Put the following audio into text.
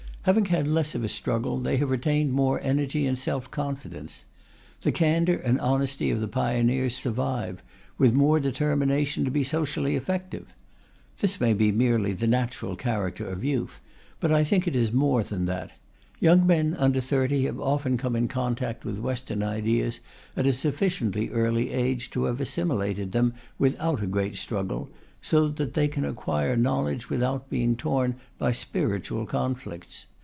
Having had less of a struggle, they have retained more energy and self confidence. The candour and honesty of the pioneers survive, with more determination to be socially effective. This may be merely the natural character of youth, but I think it is more than that. Young men under thirty have often come in contact with Western ideas at a sufficiently early age to have assimilated them without a great struggle, so that they can acquire knowledge without being torn by spiritual conflicts.